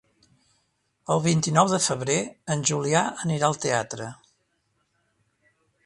El vint-i-nou de febrer en Julià anirà al teatre.